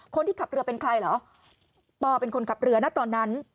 คนที่ขับเรือเป็นใครเหรอปอเป็นคนขับเรือนะตอนนั้น